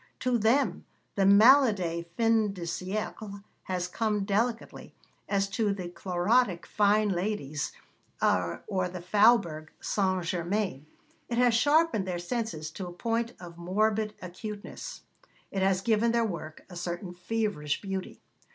To them the maladie fin de siècle has come delicately, as to the chlorotic fine ladies of the Faubourg Saint Germain: it has sharpened their senses to a point of morbid acuteness, it has given their work a certain feverish beauty.